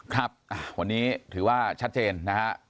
ครับวันนี้ถือว่าชัดเจนนะฮะ